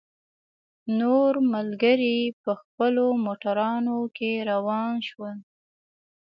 نور ملګري په خپلو موټرانو کې را روان شول.